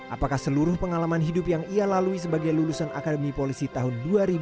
apakah seluruh pengalaman hidup yang ia lalui sebagai lulusan akademi polisi tahun dua ribu dua